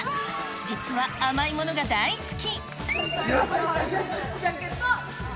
実は甘いものが大好き。